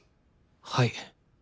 はい。